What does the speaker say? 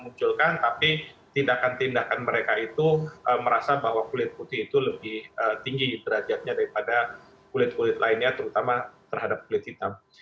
munculkan tapi tindakan tindakan mereka itu merasa bahwa kulit putih itu lebih tinggi derajatnya daripada kulit kulit lainnya terutama terhadap kulit hitam